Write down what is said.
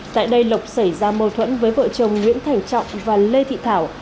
tại đây lộc xảy ra mâu thuẫn với vợ chồng nguyễn thành trọng và lê thị thảo